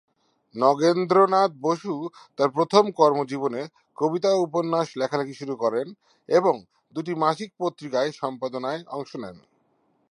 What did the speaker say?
নগেন্দ্রনাথ বসু তার প্রথম কর্মজীবনে কবিতা ও উপন্যাস লেখালেখি শুরু করেন এবং দুটি মাসিক পত্রিকায় সম্পাদনায় অংশ নেন।